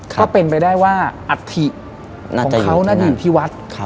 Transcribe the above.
ก็เป็นไปได้ว่าอัฐิของเขาน่าจะอยู่ที่วัด